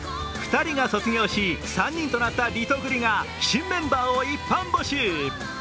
２人が卒業し３人となったリトグリが新メンバーを一般募集。